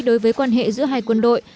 đối với quan hệ giữa hai quân đội